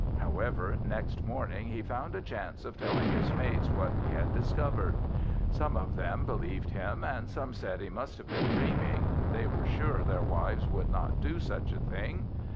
However, next morning, he found a chance of telling his mates what he had discovered. Some of them believed him, and some said he must have been dreaming; they were sure their wives would not do such a thing.